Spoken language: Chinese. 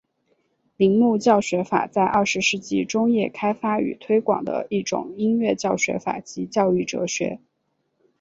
铃木教学法在二十世纪中叶开发与推广的一种音乐教学法及教育哲学。